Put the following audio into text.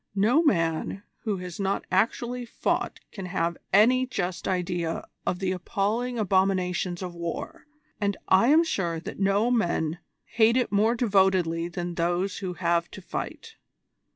No man who has not actually fought can have any just idea of the appalling abominations of war, and I am sure that no men hate it more devotedly than those who have to fight.